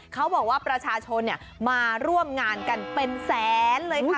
เขาบอกว่าประชาชนมาร่วมงานกันเป็นแสนเลยค่ะ